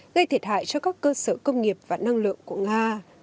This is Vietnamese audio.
gây thiệt hại cho các cơ sở công nghiệp và năng lượng của nga